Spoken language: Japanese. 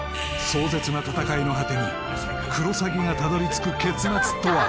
壮絶な闘いの果てにクロサギがたどり着く結末とは？